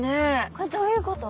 これどういうこと？